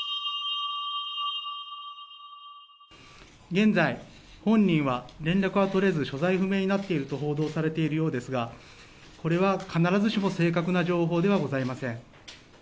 現在、本人は連絡は取れず、所在不明になっていると報道されているようですが、これは必ずしも正確な情報ではございません。